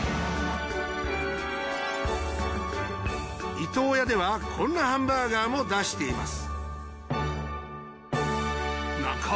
伊東屋ではこんなハンバーガーも出しています。